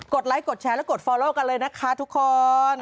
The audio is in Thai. ไลค์กดแชร์และกดฟอโลกันเลยนะคะทุกคน